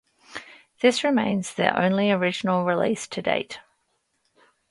This remains their only original release to date.